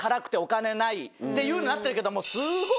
っていうふうになってるけども。